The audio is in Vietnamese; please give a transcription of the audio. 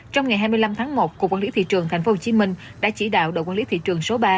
trong ngày hai mươi năm tháng một cục quản lý thị trường tp hcm đã chỉ đạo đội quản lý thị trường số ba